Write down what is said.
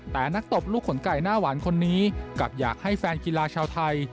แต่นักตบลูกขนไก่หน้าหวานคนนี้กลับอยากให้แฟนกีฬาชาวไทย